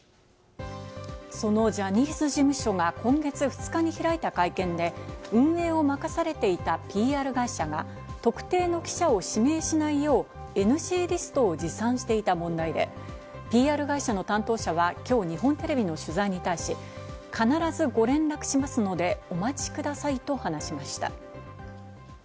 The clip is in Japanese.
ジャニーズ事務所が今月２日に開いた会見で、運営を任されていたＰＲ会社が、特定の記者を指名しないようＮＧリストを持参していた問題で、ＰＲ会社の担当者はきょう日本テレビの取材に対し、必ずご連絡しますのでお待ちくださいと話しました。